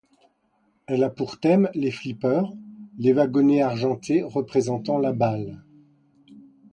Elle a pour thème les flippers, les wagonnets argentés représentant la balle.